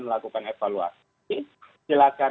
melakukan evaluasi silakan